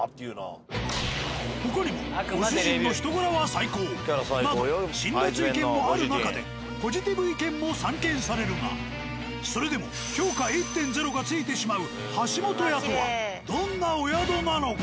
他にも「ご主人の人柄は最高」など辛辣意見もある中でポジティブ意見も散見されるがそれでも評価１．０が付いてしまう「橋本屋」とはどんなお宿なのか。